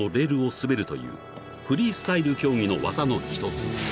滑るというフリースタイル競技の技の一つ］